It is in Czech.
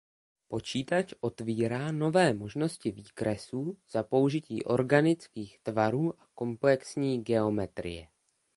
Počítač otevírá nové možnosti výkresů za použití organických tvarů a komplexní geometrie.